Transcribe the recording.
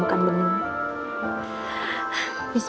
bisa menemukan benih